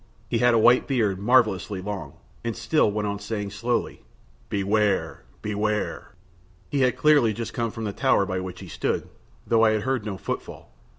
He had a white beard marvellously long, and still went on saying slowly, "Beware, beware." He had clearly just come from the tower by which he stood, though I had heard no footfall.